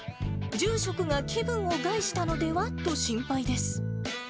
住職が気分を害したのでは？と心配です。